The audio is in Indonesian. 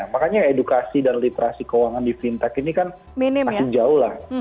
makanya edukasi dan literasi keuangan di fintech ini kan masih jauh lah